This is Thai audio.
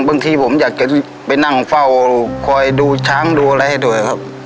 บางทีผมอยากจะไปนั่งเฝ้าคอยดูช้างดูอะไรให้ด้วยครับ